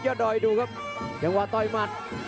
ยอดดอยดูครับยังไหวต้อยมัด